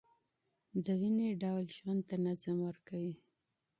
دویني ډول ژوند ته نظم ورکوي.